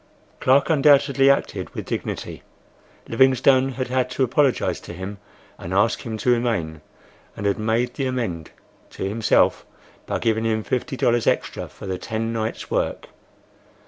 Clark undoubtedly acted with dignity. Livingstone had had to apologize to him and ask him to remain, and had made the amend (to himself) by giving him fifty dollars extra for the ten nights' work.